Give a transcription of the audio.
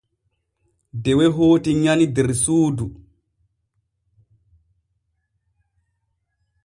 Dewe hooti nyani der suudu.